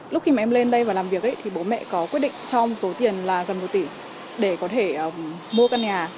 lúc khi em lên đây làm việc thì bố mẹ có quyết định cho một số tiền gần một tỷ để có thể mua căn nhà